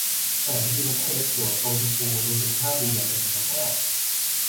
แปด วิธีทำให้เล็บสวย อมชมพู ดูสุขภาพดีอย่างเป็นธรรมชาติ